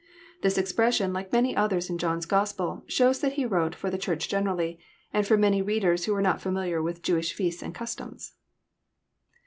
'] This expression, like many others in John's Gospel, shows that he wrote for the Church generally, and for many readers who were not familiar with Jewish feasts and customs.